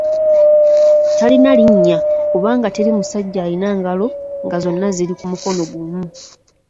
Talina linnya kubanga teri musajja alina ngalo nga zonna ziri ku mukono gumu.